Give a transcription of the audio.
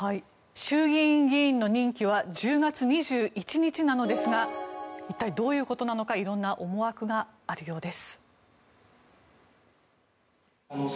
衆議院議員の任期は１０月２１日なのですが一体どういうことなのか色んな思惑があるようです。